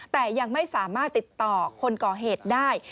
แต่ยังไม่สามารถติดต่อคนก่อเหตุได้